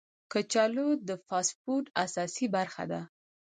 کچالو د فاسټ فوډ اساسي برخه ده